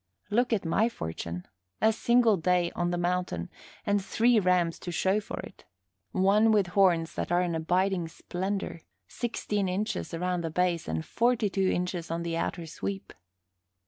Look at my fortune! A single day on the mountain, and three rams to show for it; one with horns that are an abiding splendor sixteen inches around the base and forty two inches on the outer sweep.